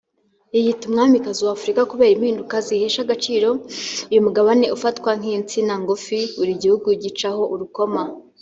yiyita umwamikazi wa Afurika kubera impinduka zihesha agaciro uyu Mugabane ufatwa nk’insina ngufi buri gihugu gicaho urukoma